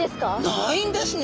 ないんですね。